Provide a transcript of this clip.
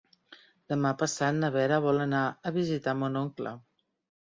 Demà passat na Vera vol anar a visitar mon oncle.